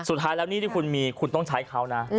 สุดท้ายแล้วหนี้ที่คุณมีคุณต้องใช้เขานะ